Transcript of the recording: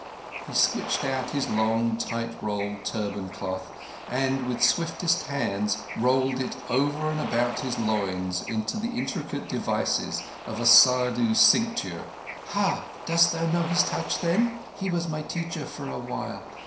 He switched out his long, tight rolled turban cloth and, with swiftest hands, rolled it over and under about his loins into the intricate devices of a Saddhu's cincture. "Hah! Dost thou know his touch, then? He was my teacher for a while.